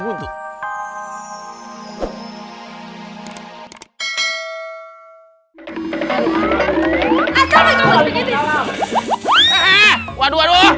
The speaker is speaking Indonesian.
aduh aduh aduh